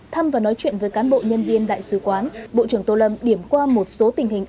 thăm và nói chuyện với cán bộ nhân viên đại sứ quán bộ trưởng tô lâm điểm qua một số tình hình